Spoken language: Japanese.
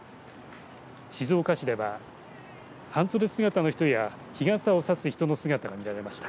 静岡市では半袖姿の人や日傘を差す人の姿が見られました。